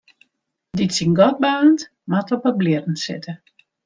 Dy't syn gat baarnt, moat op 'e blierren sitte.